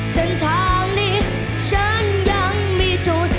เส้นทางนี้ฉันยังมีจุด